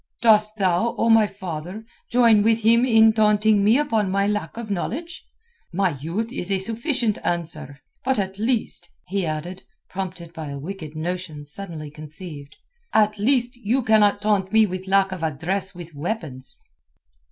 "Dost thou, O my father, join with him in taunting me upon my lack of knowledge. My youth is a sufficient answer. But at least," he added, prompted by a wicked notion suddenly conceived, "at least you cannot taunt me with lack of address with weapons."